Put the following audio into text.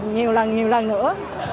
nhiều lần nhiều lần nữa